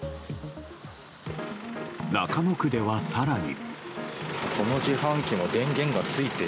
中野区では、更に。